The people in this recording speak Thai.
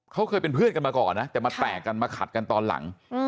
เขาเคยเป็นเพื่อนกันมาก่อนนะแต่มาแตกกันมาขัดกันตอนหลัง